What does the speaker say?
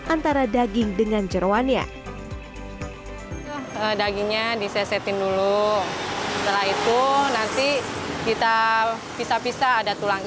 antara daging dengan jeruannya dagingnya disesetin dulu setelah itu nanti kita pisah pisah ada tulang